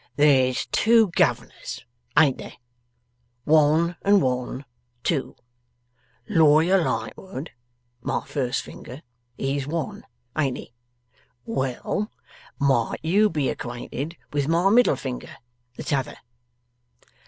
'There's two Governors, ain't there? One and one, two Lawyer Lightwood, my first finger, he's one, ain't he? Well; might you be acquainted with my middle finger, the T'other?